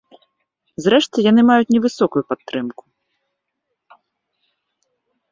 Зрэшты, яны маюць невысокую падтрымку.